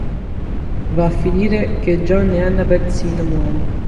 Va a finire che John e Annabel si innamorano.